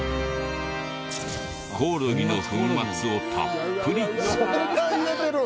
コオロギの粉末をたっぷりと。